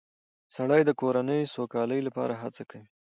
سړی د کورنۍ د سوکالۍ لپاره هڅه کوي